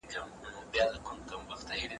د لاس لیکنه د دې هڅي یوه لویه برخه ده.